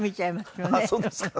あっそうですか。